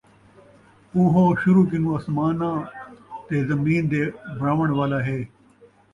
اُوہو شروع کنُوں اَسماناں تے زمین دے بݨاوݨ والا ہے،